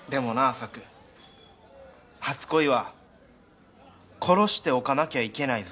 サク初恋は殺しておかなきゃいけないぞ。